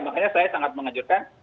makanya saya sangat mengajurkan